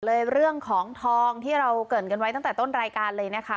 เลยเรื่องของทองที่เราเกิดกันไว้ตั้งแต่ต้นรายการเลยนะคะ